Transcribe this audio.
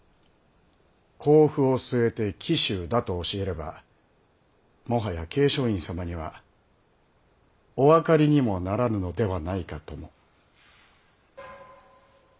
甲府を据えて紀州だと教えればもはや桂昌院様にはお分かりにもならぬのではないかとも。